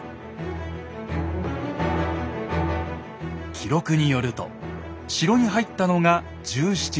記録によると城に入ったのが１７日。